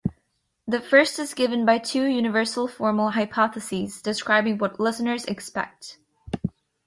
The first is given by "two universal formal hypotheses" describing what listeners expect.